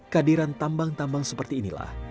kadiran tambang tambang seperti inilah